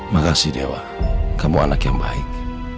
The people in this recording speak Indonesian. makasih dewa kamu anak yang baik